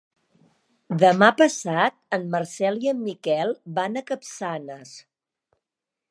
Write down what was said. Demà passat en Marcel i en Miquel van a Capçanes.